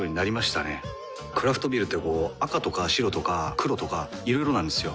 クラフトビールってこう赤とか白とか黒とかいろいろなんですよ。